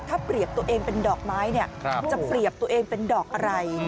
ถ้าเปรียบตัวเองเป็นดอกไม้เนี่ยจะเปรียบตัวเองเป็นดอกอะไร